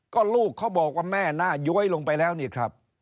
ก็ลูกเขาบอกว่าแม่หน้าย้วยลงไปแล้วนี่ครับ